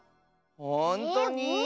ほんとに？